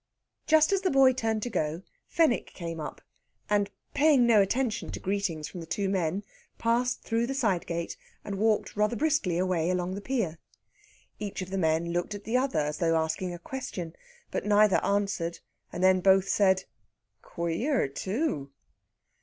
Just as the boy turned to go, Fenwick came up, and, paying no attention to greetings from the two men, passed through the side gate and walked rather briskly away along the pier. Each of the men looked at the other, as though asking a question. But neither answered, and then both said, "Queer, too!"